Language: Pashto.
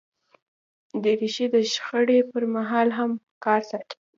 دریشي د شخړې پر مهال هم وقار ساتي.